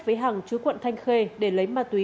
với hằng chú quận thanh khê để lấy ma túy